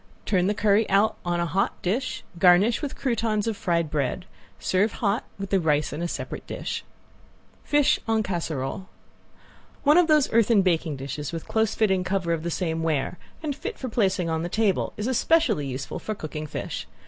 Turn the curry out on a hot dish, garnish with croutons of fried bread. Serve hot, with the rice in separate dish. ~FISH EN CASSEROLE~ One of those earthen baking dishes with close fitting cover of the same ware and fit for placing on the table is especially useful for cooking fish.